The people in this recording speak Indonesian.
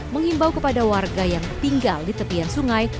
mengimbau kepada warga yang tinggal di tepian sungai